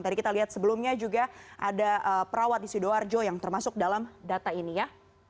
tadi kita lihat sebelumnya juga ada perawat di sidoarjo yang termasuk dalam data ini ya